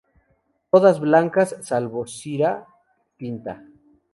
Todas blancas salvo Syrah, tinta.